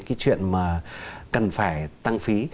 cái chuyện mà cần phải tăng phí